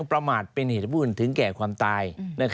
ประมาทเป็นเหตุผลถึงแก่ความตาย